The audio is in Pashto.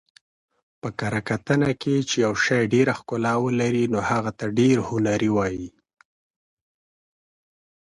په کره کتنه کښي، چي یوشي ډېره ښکله ولري نو هغه ته ډېر هنري وايي.